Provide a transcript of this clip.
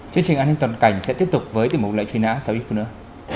chương trình an ninh toàn cảnh sẽ tiếp tục với tiểu mục lệnh truy nã sau ít phút nữa